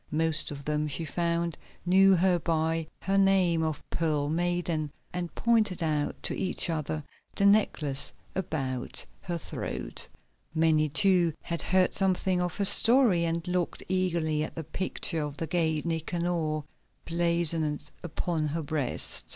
Most of them, she found, knew her by her name of Pearl Maiden, and pointed out to each other the necklace about her throat. Many, too, had heard something of her story, and looked eagerly at the picture of the gate Nicanor blazoned upon her breast.